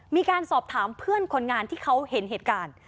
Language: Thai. มีการสอบถามเพื่อนคนงานที่เขาเห็นเหตุการณ์